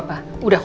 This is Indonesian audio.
udah kodok ya